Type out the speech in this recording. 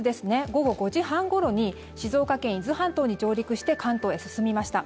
午後５時半ごろに静岡県・伊豆半島に上陸して関東へ進みました。